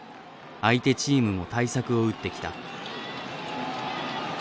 相手チームも対策を打ってきた。